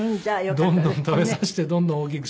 どんどん食べさせてどんどん大きくしたいっていう。